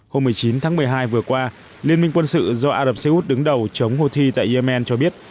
hôm một mươi chín tháng một mươi hai vừa qua liên minh quân sự do ả rập xê út đứng đầu chống houthi tại yemen cho biết